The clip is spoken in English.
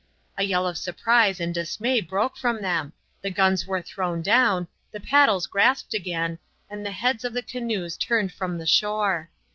A yell of surprise and dismay broke from them, the guns were thrown down, the paddles grasped again, and the heads of the canoes turned from the shore.